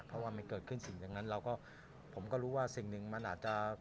ถ้าว่าไม่เกิดขึ้นสิ่งอย่างนั้นผมก็รู้ว่าสิ่งนึงมันอาจจะ